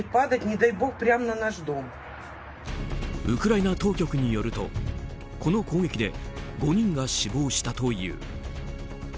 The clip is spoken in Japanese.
ウクライナ当局によるとこの攻撃で５人が死亡したという。